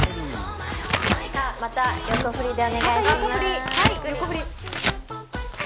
また横振りでお願いします。